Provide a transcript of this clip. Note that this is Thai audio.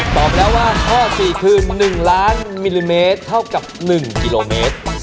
ตอบแล้วว่าข้อ๔คือ๑ล้านมิลลิเมตรเท่ากับ๑กิโลเมตร